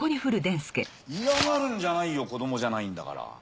嫌がるんじゃないよ子供じゃないんだから。